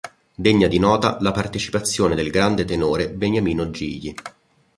Degna di nota la partecipazione del grande tenore Beniamino Gigli.